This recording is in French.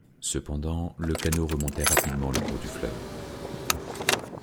Cependant, le canot remontait rapidement le cours du fleuve.